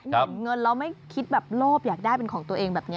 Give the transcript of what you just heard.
เห็นเงินแล้วไม่คิดแบบโลภอยากได้เป็นของตัวเองแบบนี้